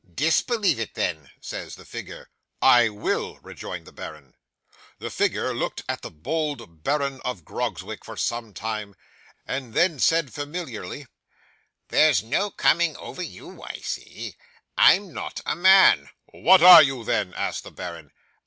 '"Disbelieve it then," says the figure. '"I will," rejoined the baron. 'The figure looked at the bold Baron of Grogzwig for some time, and then said familiarly, '"There's no coming over you, I see. I'm not a man!" '"What are you then?" asked the baron.